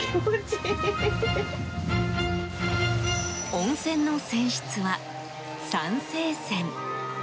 温泉の性質は酸性泉。